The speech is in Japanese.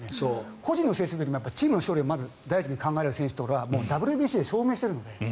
個人の成績よりチームの勝利をまず第一に考える選手というのはＷＢＣで証明しているので。